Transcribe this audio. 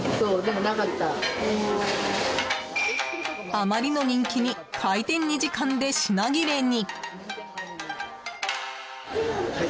あまりの人気に開店２時間で品切れに。